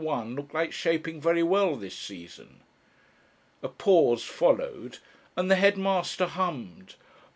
looked like shaping very well this season. A pause followed and the headmaster hummed.